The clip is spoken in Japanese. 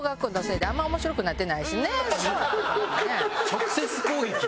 直接攻撃。